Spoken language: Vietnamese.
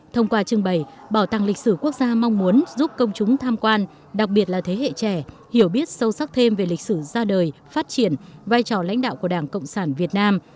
thông qua trưng bày bảo tàng lịch sử quốc gia mong muốn giúp công chúng tham quan đặc biệt là thế hệ trẻ hiểu biết sâu sắc thêm về lịch sử ra đời phát triển vai trò lãnh đạo của đảng cộng sản việt nam